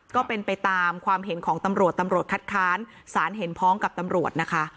ก็เป็นไปตามความเห็นของตำรวจตำรวจคัดค้านสารเห็นพ้องกับตำรวจนะคะ